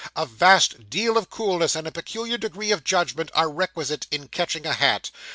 A vast deal of coolness, and a peculiar degree of judgment, are requisite in catching a hat.